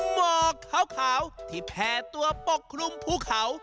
หมอกขาวที่แพร่ตัวปกคลุมภูเขา